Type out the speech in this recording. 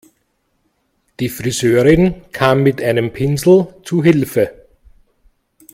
Die Friseurin kam mit einem Pinsel zu Hilfe.